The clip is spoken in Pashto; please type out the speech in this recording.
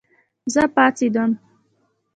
زه پاڅېدم